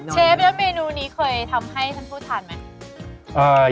เชฟแล้วเมนูนี้เคยทำให้ท่านผู้ทานไหม